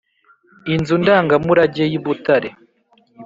Inzu ndangamurage y’ibutare.